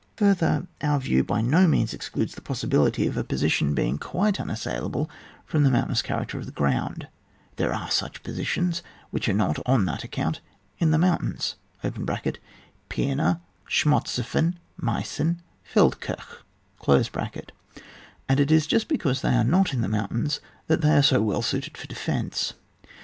Further, our view by no means ex cludes the possibility of a position being quite unassailable from the mountainous character of the ground : there are such positions which are not, on that account, in the mountains (Pima, Schmotseifen, Aleissen, Feldkirch), and it is just be cause they are not in the mountains, that they are so well suited for defence.